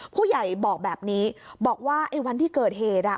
ผู้ใหญ่บอกแบบนี้บอกว่าไอ้วันที่เกิดเหตุ